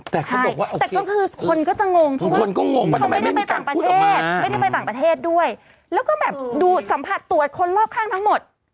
ใช่แต่ก็คือคนก็จะงงเพราะว่าเขาไม่ได้ไปต่างประเทศไม่ได้ไปต่างประเทศด้วยแล้วก็แบบดูสัมผัสตรวจคนรอบข้างทั้งหมด